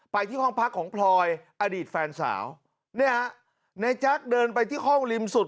ที่ห้องพักของพลอยอดีตแฟนสาวเนี่ยฮะในแจ๊คเดินไปที่ห้องริมสุด